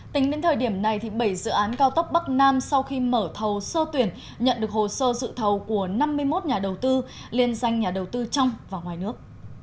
tính đến thời điểm này bảy dự án cao tốc bắc nam sau khi mở thầu sơ tuyển nhận được hồ sơ dự thầu của năm mươi một nhà đầu tư liên danh nhà đầu tư trong và ngoài nước